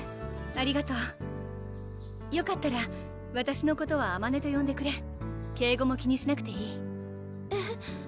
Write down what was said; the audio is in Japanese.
ありがとうよかったらわたしのことは「あまね」とよんでくれ敬語も気にしなくていいえっ！